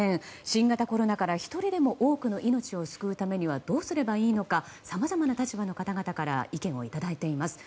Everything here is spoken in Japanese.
新型コロナから１人でも多くの命を救うためにはどうすればいいのかさまざまな立場の方々から意見をいただいています。